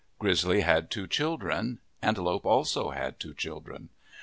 Grizzly had two children. Antelope also had two children.